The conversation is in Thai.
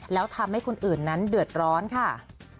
แล้วทำให้คนอื่นนั้นเดือดร้อนค่ะ